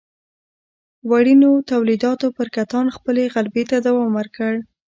وړینو تولیداتو پر کتان خپلې غلبې ته دوام ورکړ.